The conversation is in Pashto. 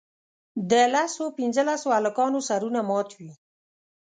د لسو پینځلسو هلکانو سرونه مات وي.